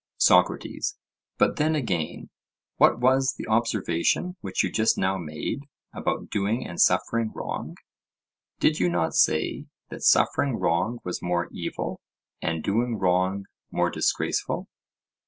SOCRATES: But then again, what was the observation which you just now made, about doing and suffering wrong? Did you not say, that suffering wrong was more evil, and doing wrong more disgraceful?